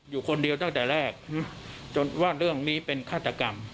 อยู่คนเดียวตั้งแต่แรกจนว่าเรื่องนี้เป็นฆาตกรรม